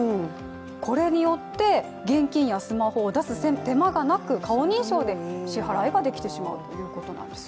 これによって現金やスマホを出す手間がなく顔認証で支払いができてしまうということなんです。